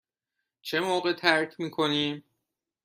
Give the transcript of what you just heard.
چه موقع ترک می کنیم؟